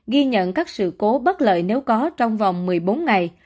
ghi nhận các sự cố bất lợi nếu có trong vòng một mươi bốn ngày